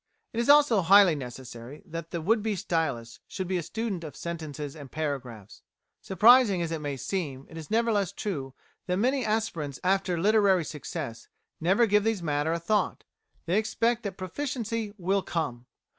It is also highly necessary that the would be stylist should be a student of sentences and paragraphs. Surprising as it may seem, it is nevertheless true that many aspirants after literary success never give these matters a thought; they expect that proficiency will "come."